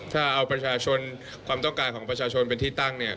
ถ้าเอาประชาชนความต้องการของประชาชนเป็นที่ตั้งเนี่ย